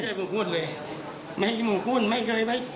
ไม่เคยหมุนเลยไม่ได้หมุนไม่เคยไว้